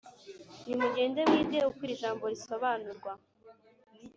nimugende mwige uko iri jambo risobanurwa,